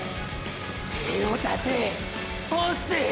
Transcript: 手を出せ欲っせ！！